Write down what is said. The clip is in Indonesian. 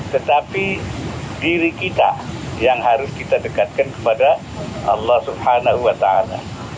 tetapi diri kita yang harus kita dekatkan kepada allah subhanahu wa ta ala